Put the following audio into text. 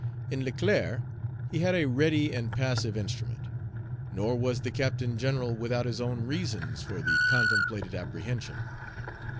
In Leclerc he had a ready and passive instrument. Nor was the Captain General without his own reasons for the contemplated apprehension.